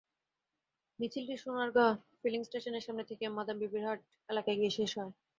মিছিলটি সোনাগাঁ ফিলিং স্টেশনের সামনে থেকে মাদামবিবিরহাট এলাকায় গিয়ে শেষ হয়।